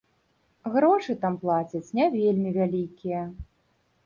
Грошы там плацяць не вельмі вялікія.